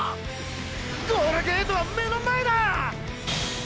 ゴールゲートは目の前だ！！